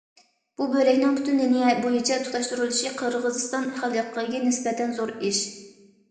بۇ بۆلەكنىڭ پۈتۈن لىنىيە بويىچە تۇتاشتۇرۇلۇشى قىرغىزىستان خەلقىگە نىسبەتەن زور ئىش.